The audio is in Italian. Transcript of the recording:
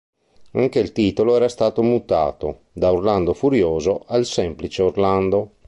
Anche il titolo era stato mutato, da "Orlando Furioso" al semplice "Orlando".